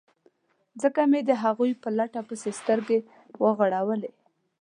ځکه مې د هغوی په لټه پسې سترګې ور وغړولې.